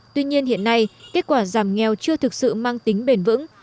tuy nhiên hiện nay kết quả giảm nghèo chưa thực sự mang tính bền vững